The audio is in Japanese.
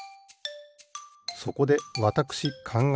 そこでわたくしかんがえました。